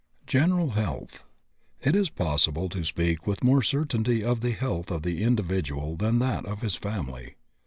GENERAL HEALTH. It is possible to speak with more certainty of the health of the individual than of that of his family.